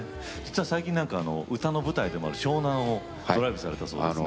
歌の舞台でもある湘南をドライブされたそうですね。